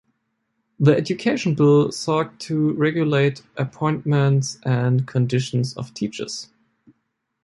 The Education Bill sought to regulate appointments and conditions of teachers.